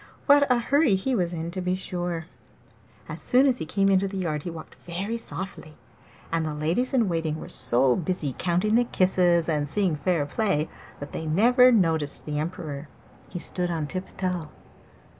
What a hurry he was in, to be sure! As soon as he came into the yard he walked very softly, and the ladies in waiting were so busy counting the kisses and seeing fair play that they never noticed the Emperor. He stood on tiptoe.